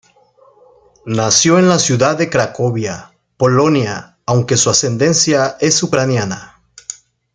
Nació en la ciudad de Cracovia, Polonia aunque su ascendencia es ucraniana.